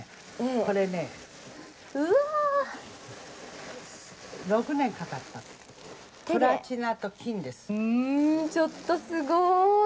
これね、ちょっとすごい。